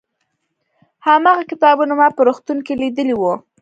هماغه کتابونه ما په روغتون کې لیدلي وو.